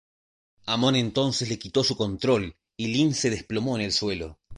Amon entonces le quitó su control y Lin se desplomó en el suelo.